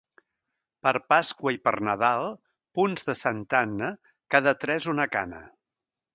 Per Pasqua i per Nadal, punts de Santa Anna, cada tres una cana.